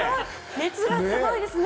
熱がすごいですね。